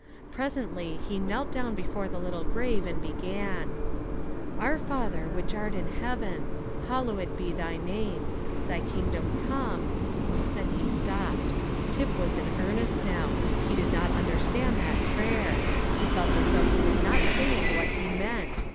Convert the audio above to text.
Presently he knelt down before the little grave, and began, "Our Father which art in heaven, hallowed be Thy name, Thy kingdom come" Then he stopped. Tip was in earnest now; he did not understand that prayer: he felt as though he was not saying what he meant.